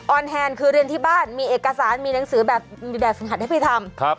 อนแฮนด์คือเรียนที่บ้านมีเอกสารมีหนังสือแบบสังหัสให้ไปทำ